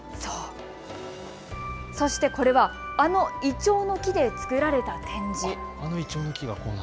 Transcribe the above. そしてこれはあのイチョウの木で作られた展示。